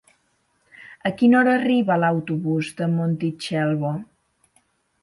A quina hora arriba l'autobús de Montitxelvo?